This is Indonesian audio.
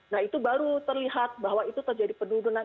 nah itu baru terlihat bahwa itu terjadi penurunan